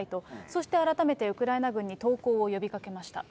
そして改めてウクライナ軍に投降を呼びかけました。